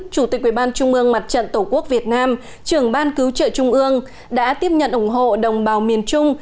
chủ tịch ubnd mặt trận tổ quốc việt nam trưởng ban cứu trợ trung ương đã tiếp nhận ủng hộ đồng bào miền trung